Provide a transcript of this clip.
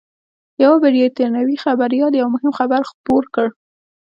یوه بریټانوي خبریال یو مهم خبر خپور کړ